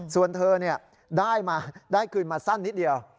ส่วนเธอได้มาได้คืนมาสั้นนิดเดียว